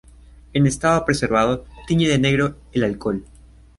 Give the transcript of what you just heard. En estado preservado tiñe de negro el alcohol.